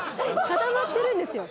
固まってるんですよ